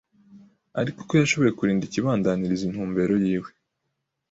ariko ko yashoboye kurinda akibandaniriza intumbero yiwe.